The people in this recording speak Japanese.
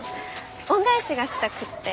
恩返しがしたくて。